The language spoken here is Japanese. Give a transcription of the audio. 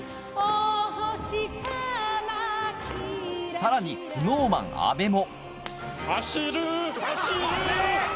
更にＳｎｏｗＭａｎ阿部も。